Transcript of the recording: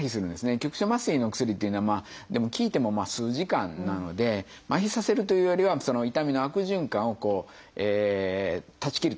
局所麻酔のお薬っていうのは効いても数時間なので麻痺させるというよりは痛みの悪循環を断ち切ると。